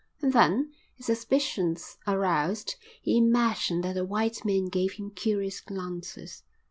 And then, his suspicions aroused, he imagined that the white men gave him curious glances.